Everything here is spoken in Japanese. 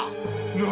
何？